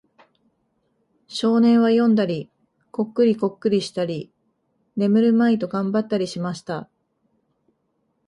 少年は読んだり、コックリコックリしたり、眠るまいと頑張ったりしました。